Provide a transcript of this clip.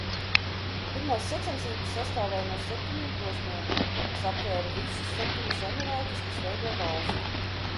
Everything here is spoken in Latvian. Pirmās sacensības sastāvēja no septiņiem posmiem, kas aptvēra visus septiņus emirātus, kas veido valsti.